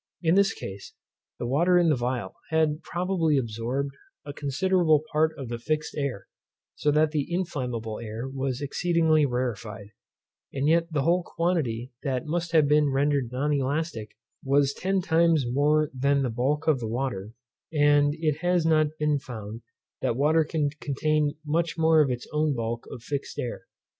In this case the water in the phial had probably absorbed a considerable part of the fixed air, so that the inflammable air was exceedingly rarefied; and yet the whole quantity that must have been rendered non elastic was ten times more than the bulk of the water, and it has not been found that water can contain much more than its own bulk of fixed air.